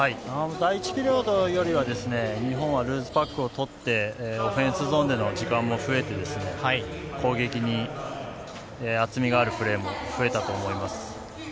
第１ピリオドよりは日本はルーズパックを取ってオフェンスゾーンでの時間も増えて攻撃に厚みがあるプレーも増えたと思います。